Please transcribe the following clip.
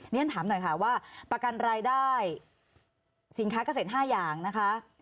เรียนถามหน่อยค่ะว่าประกันรายได้สินค้าเกษตร๕อย่างนะคะ